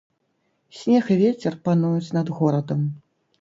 Снег і вецер пануюць над горадам.